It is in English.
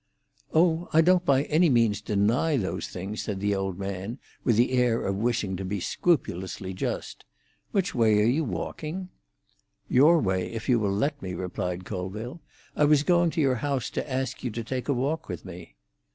"Oh, I don't by any means deny those things," said the old man, with the air of wishing to be scrupulously just. "Which way are you walking?" "Your way, if you will let me," replied Colville. "I was going to your house to ask you to take a walk with me."